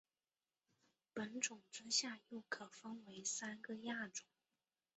本种之下又可分为三个亚种。